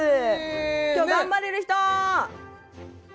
今日頑張れる人？